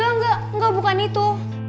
enggak enggak bukan itu